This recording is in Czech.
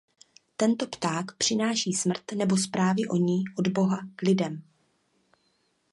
Tento pták přináší smrt nebo zprávy o ní od Boha k lidem.